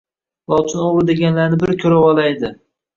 Lochin o‘g‘ri deganlarini bir ko‘rvolaydi.